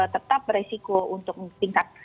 tetap beresiko untuk tingkat